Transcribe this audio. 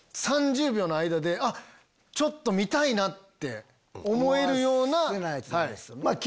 ３０秒の間でちょっと見たいな！って思えるような。